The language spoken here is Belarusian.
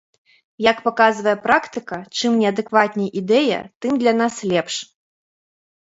Як паказвае практыка, чым неадэкватней ідэя, тым для нас лепш.